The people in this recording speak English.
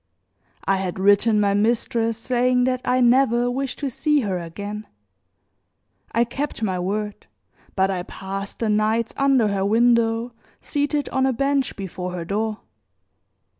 I had written my mistress saying that I never wished to see her again; I kept my word, but I passed the nights under her window, seated on a bench before her door.